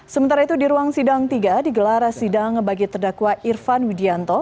sementara itu di ruang sidang tiga digelar sidang bagi terdakwa irfan widianto